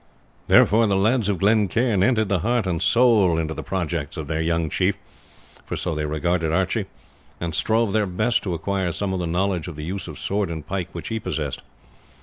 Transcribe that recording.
Therefore the lads of Glen Cairn entered heart and soul into the projects of their "young chief," for so they regarded Archie, and strove their best to acquire some of the knowledge of the use of sword and pike which he possessed.